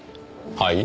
はい？